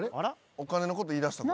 お金のこと言いだしたぞ。